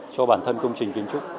cho bản thân công trình kiến trúc